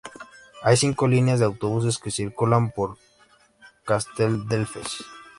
Hay cinco líneas de autobús que circulan por Casteldefels.